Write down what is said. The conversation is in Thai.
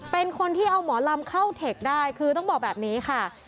เป็นคนที่เอาหมอลำเข้าเทคได้คือต้องบอกแบบนี้ค่ะ